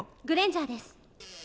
グレンジャーです